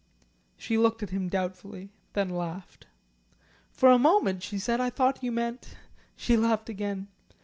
She looked at him doubtfully. Then laughed. "For a moment," she said, "I thought you meant " She laughed again.